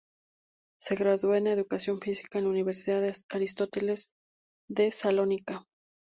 Se graduó en educación física en la Universidad Aristóteles de Salónica.